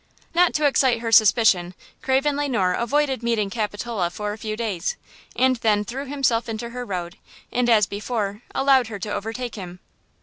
Not to excite her suspicion, Craven Le Noir avoided meeting Capitola for a few days, and then threw himself in her road and, as before, allowed her to overtake him.